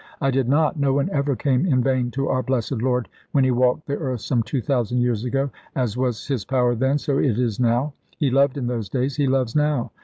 "I did not. No one ever came in vain to our Blessed Lord, when He walked the earth some two thousand years ago. As was His power then, so is it now. He loved in those days, He loves now.